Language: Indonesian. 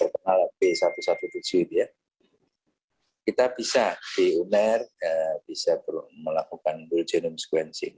jadi kita bisa melakukan world genome sequencing